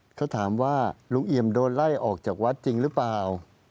เขาถามว่าลุงเอี่ยมโดนไล่ออกจากวัดจริงหรือเปล่า